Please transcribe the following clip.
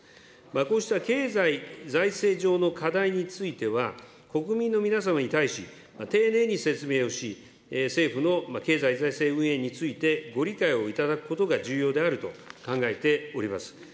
こうした経済財政上の課題については、国民の皆様に対し、丁寧に説明をし、政府の経済財政運営について、ご理解をいただくことが重要であると考えております。